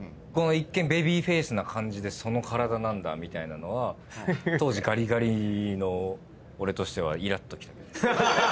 一見ベビーフェースな感じでその体なんだみたいなのは当時ガリガリの俺としてはイラッときた。